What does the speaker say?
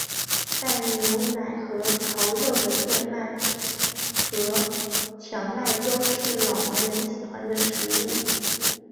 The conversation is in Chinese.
带牛奶和狍肉的燕麦和荞麦粥是老年人喜欢的食物。